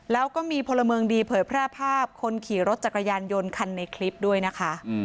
แล้วก็มีพลเมืองดีเผยแพร่ภาพคนขี่รถจักรยานยนต์คันในคลิปด้วยนะคะ